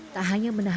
tak hanya menangisnya